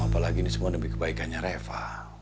apalagi ini semua demi kebaikannya reva